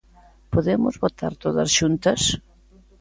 ¿Podemos votar todas xuntas?